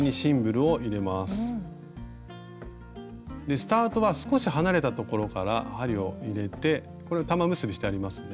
スタートは少し離れたところから針を入れてこれ玉結びしてありますね。